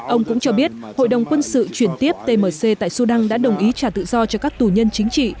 ông cũng cho biết hội đồng quân sự chuyển tiếp tmc tại sudan đã đồng ý trả tự do cho các tù nhân chính trị